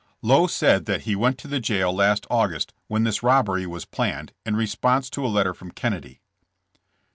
'' Lowe said that he went to the jail last August, when this robbery was planned, in response to a let ter from Kennedy.